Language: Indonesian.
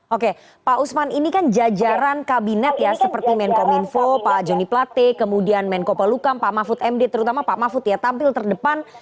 oke pak usman ini kan jajaran kabinet ya seperti menkominfo pak joni plate kemudian menko pelukam pak mahfud md terutama pak mahfud ya tampil terdepan